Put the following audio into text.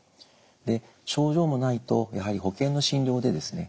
で症状もないとやはり保険の診療でですね